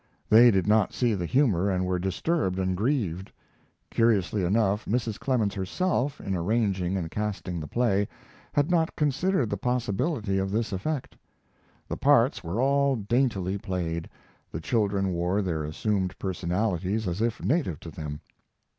They did not see the humor and were disturbed and grieved. Curiously enough, Mrs Clemens herself, in arranging and casting the play, had not considered the possibility of this effect. The parts were all daintily played. The children wore their assumed personalities as if native to them.